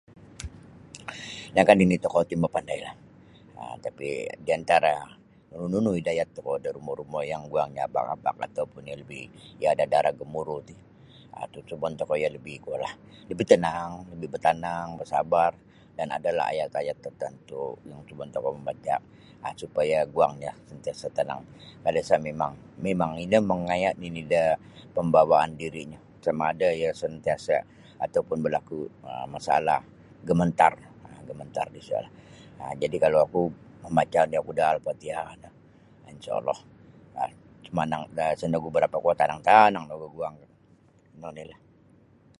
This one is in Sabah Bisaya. Lainkah nini' tokou ti mapandailah um tapi diantara nunu-nunu idayat tokou da rumo-rumo yang guangnyo abak-abak atau pun iyo lebih iyo ada darah gemuruh ti um . Sunsubon tokou iyo lebih kuolah lebih tenang lebih bertanang bersabar dan adalah ayat-ayat tertentu yang sunsubon tokou membaca supaya guangnyo sentiasa' tanang. Kalau isa' mimang memang ino mangaya' nini' da pambawaan dirinyo sama ada iyo sentiasa' atau pun berlaku masalah gementar gementar disiyolah jadi' kalau oku mambaca oni' oku da al-fatihah no insha Allah um isa nogu barapa' kuo tanang-tanang nogu guang ino onilah.